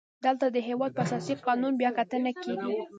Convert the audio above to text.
دلته د هیواد په اساسي قانون بیا کتنه کیږي.